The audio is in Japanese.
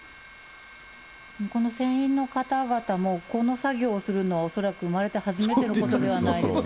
この船員の方々もこの作業をするの、恐らく生まれて初めてのことではないですか。